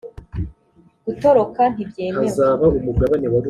gutoroka ntibyemewe .